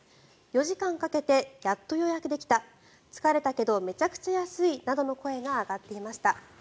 ４時間かけてやっと予約できた疲れたけどめちゃくちゃ安いなどの声が上がっていました。